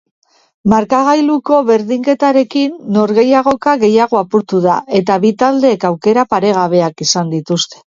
Markagailuko berdinketarekin norgehiagoka gehiago apurtu da eta bi taldeek aukera paregabeak izan dituzte.